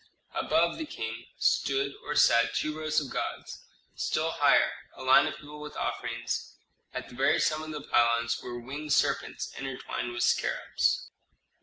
Above the king stood or sat two rows of gods; still higher, a line of people with offerings; at the very summit of the pylons were winged serpents intertwined with scarabs.